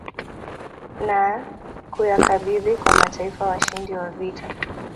Na kuyakabidhi kwa mataifa washindi wa vita